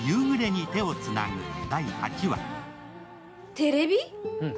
テレビ？